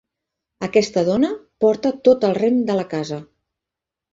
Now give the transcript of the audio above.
Aquesta dona porta tot el rem de la casa.